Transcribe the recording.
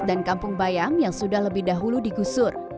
kampung bayam yang sudah lebih dahulu digusur